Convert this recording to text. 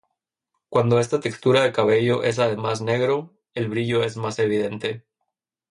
Cuando esta textura de cabello es además negro, el brillo es más evidente.